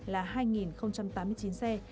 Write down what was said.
là hai tám mươi chín xe